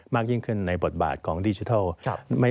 มากยิ่งขึ้นในบทบาทของดิจิทัล